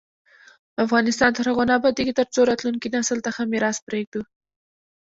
افغانستان تر هغو نه ابادیږي، ترڅو راتلونکي نسل ته ښه میراث پریږدو.